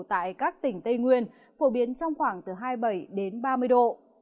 tại các tỉnh tây nguyên phổ biến trong khoảng hai mươi bảy ba mươi độ